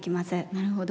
なるほど。